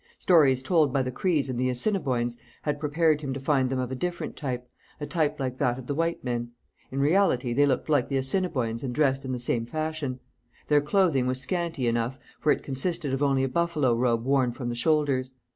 Stories told by the Crees and the Assiniboines had prepared him to find them of a different type, a type like that of the white men. In reality they looked like the Assiniboines and dressed in the same fashion. Their clothing was scanty enough, for it consisted of only a buffalo robe worn from the shoulders.